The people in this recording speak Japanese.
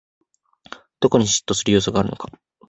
どこに嫉妬する要素があるのか